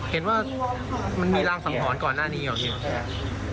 เห็นว่ามันมีร่างสั่งหอนก่อนหน้านี้หรอครับ